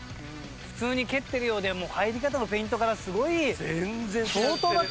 普通に蹴ってるようでもう入り方のフェイントからすごい。